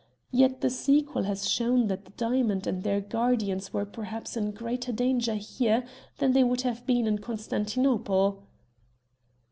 Yet the sequel has shown that the diamonds and their guardians were perhaps in greater danger here than they would have been in Constantinople."